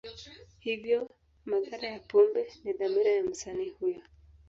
Hivyo, madhara ya pombe ni dhamira ya msanii huyo.